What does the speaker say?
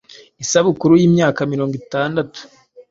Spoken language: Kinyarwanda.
isabukuru y’imyaka mirongo itandatu